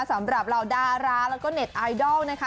สำหรับเหล่าดาราแล้วก็เน็ตไอดอลนะคะ